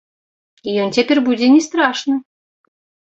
Ён цяпер будзе не страшны!